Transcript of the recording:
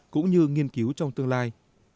cũng như nghiên cứu trong tương lai